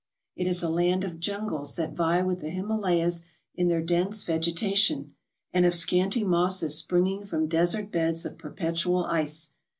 It is a land of jungles that vie with the Himalayas in their dense vegeta tion, and of scanty mosses springing from desert beds of perpetual ice.